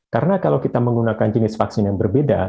karena kalau kita menggunakan jenis vaksin yang berbeda